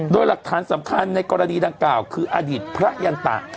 โดยหลักฐานสำคัญในกรณีดังกล่าวคืออดีตพระยันตะ